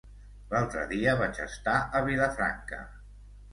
L'altre dia vaig estar a Vilafranca.